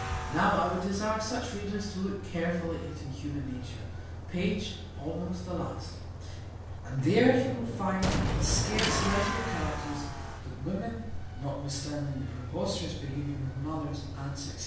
Now, I would desire such readers to look carefully into human nature, page almost the last, and there he will find, in scarce legible characters, that women, notwithstanding the preposterous behaviour of mothers, aunts, &c.